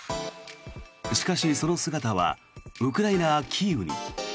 しかしその姿はウクライナ・キーウに。